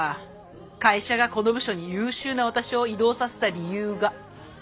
会社がこの部署に優秀な私を異動させた理由が。